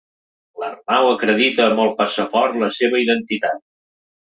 L'Arnau acredita amb el passaport la seva identitat.